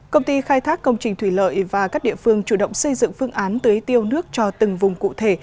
công ty khai thác công trình thủy lợi và các địa phương chủ động xây dựng phương án tưới tiêu nước cho từng vùng cụ thể